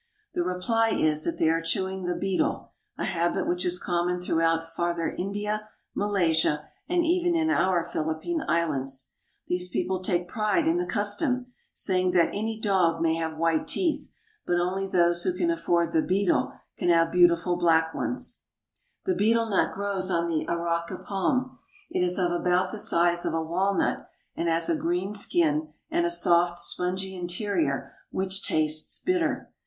The reply is that they are chewing the betel, a habit which is common throughout Farther India, Malaysia, and even in our Philippine Islands. These people take pride in Bullock Cart, Saigon. the custom ; saying that any dog may have white teeth, but only those who can afford the betel can have beautiful black ones. The betel nut grows on the Araca palm. It is of about the size of a walnut, and has a green skin and a soft, spongy interior which tastes bitter.